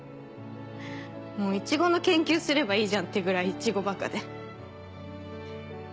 もうイチゴの研究すればいいじゃんっていうぐらいイチゴバカで。